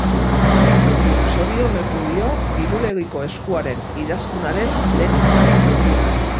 Sorioneku dio Irulegiko Eskuaren idazkunaren lehen hitzak.